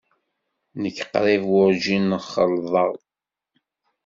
Nekk qrib werǧin ɣellḍeɣ.